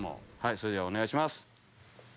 それではお願いします。